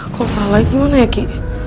kalo salah lagi gimana ya ki